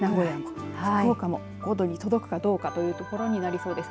福岡も５度に届くかどうかというところになりそうです。